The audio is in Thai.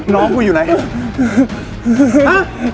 น้องกูอยู่ไหน